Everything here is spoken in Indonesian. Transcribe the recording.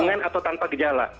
dengan atau tanpa gejala